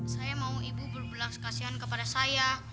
saya mau ibu berbelas kasihan kepada saya